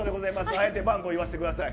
あえて番号言わせてください。